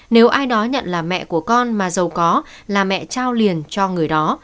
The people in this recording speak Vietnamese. nếu ai đó nhận là mẹ của con mà giàu có là mẹ trao liền cho người đó